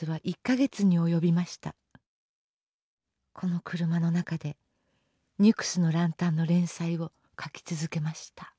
この車の中で「ニュクスの角灯」の連載を描き続けました。